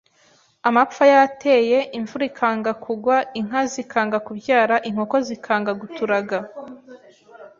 amapfa yateye imvura ikanga kugwa inka zikanga kubyara inkoko zikanga guturaga